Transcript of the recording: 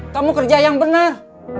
kamu kerja yang bener